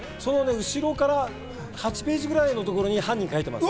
後から８ページくらいのところに犯人書いてます。